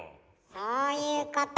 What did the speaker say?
そういうこと！